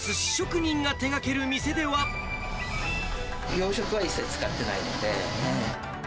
養殖は一切使ってないんで。